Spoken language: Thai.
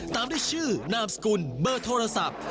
ตามด้วยชื่อนามสกุลเบอร์โทรศัพท์